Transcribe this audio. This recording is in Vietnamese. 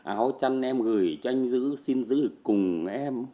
áo chăn em gửi cho anh giữ xin giữ cùng em